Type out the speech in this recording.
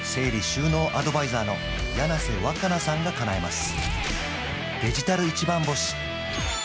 収納アドバイザーの柳瀬わかなさんがかなえます